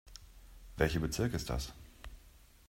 Welcher Bezirk ist das?